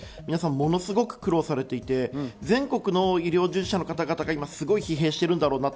ものすごく苦労されていて、全国の医療従事者の方が今、疲弊しているんだろうなと。